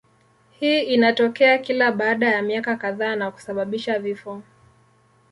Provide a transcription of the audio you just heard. Hii inatokea kila baada ya miaka kadhaa na kusababisha vifo.